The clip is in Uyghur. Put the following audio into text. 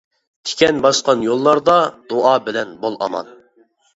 تىكەن باسقان يوللاردا، دۇئا بىلەن بول ئامان.